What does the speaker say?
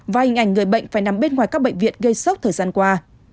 và hình ảnh người bệnh phải nằm bên ngoài các bệnh viện gây sốc thời gian qua